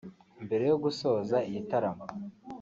Mbere yo gusoza igitaramo